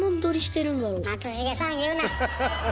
松重さん言うな！